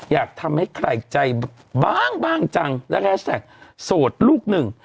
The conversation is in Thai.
อยากทำให้ไข่ใจบ้างบ้างจังแล้วก็แฮชแทคสวดลูกหนึ่ง